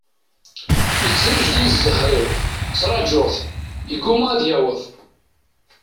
Yettrejdil zher-iw, ttrajuɣ-t, yegguma ad d-yaweḍ.